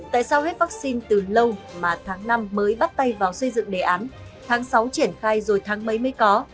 tại sao hết vaccine từ lâu mà tháng năm mới bắt tay vào xây dựng đề án tháng sáu triển khai rồi tháng mấy mới có